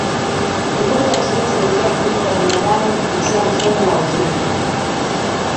Ugonjwa wa kimeta huingia mwilini kwa binadamu kupitia mfumo wa utumbo